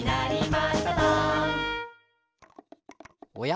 おや？